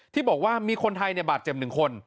ที่บอกว่ามีคนไทยบาดเจ็บ๑คน